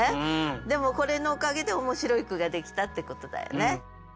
でもこれのおかげで面白い句ができたってことだよね。